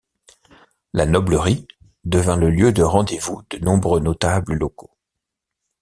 La Noblerie devint le lieu de rendez-vous de nombreux notables locaux.